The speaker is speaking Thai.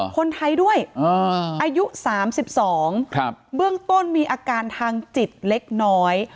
คนไทยด้วยอายุ๓๒เบื้องต้นมีอาการทางจิตเล็กน้อย